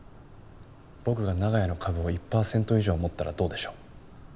僕が長屋の株を１パーセント以上持ったらどうでしょう？